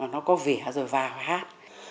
nó có vỉa rồi vào hát